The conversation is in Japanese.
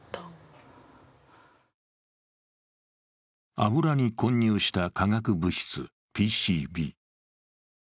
油に混入した化学物質ＰＣＢ。